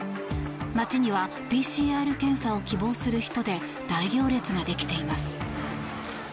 街にはＰＣＲ検査を希望する人で大行列ができています。